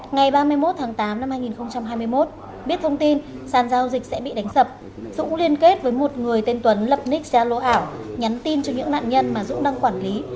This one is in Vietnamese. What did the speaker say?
ngày ba mươi một tháng tám năm hai nghìn hai mươi một biết thông tin sàn giao dịch sẽ bị đánh sập dũng liên kết với một người tên tuấn lập nick zalo ảo nhắn tin cho những nạn nhân mà dũng đang quản lý